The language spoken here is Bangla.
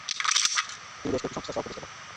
তিনি বেশ কয়েকটি সংস্থার সহ-প্রতিষ্ঠাতা।